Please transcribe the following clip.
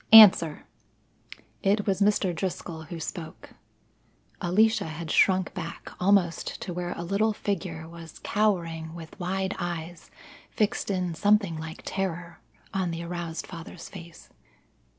"Answer!" It was Mr. Driscoll who spoke. Alicia had shrunk back, almost to where a little figure was cowering with wide eyes fixed in something like terror on the aroused father's face.